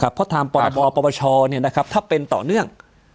เพราะถามปรบประบอบประบาชน์ถ้าเป็นต่อเนื่อง